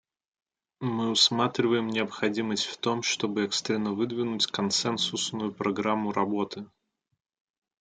Мы усматриваем необходимость в том, чтобы экстренно выдвинуть консенсусную программу работы.